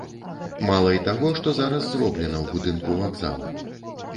Мала і таго, што зараз зроблена ў будынку вакзала.